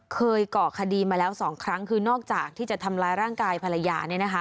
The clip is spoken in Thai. ก่อคดีมาแล้ว๒ครั้งคือนอกจากที่จะทำร้ายร่างกายภรรยา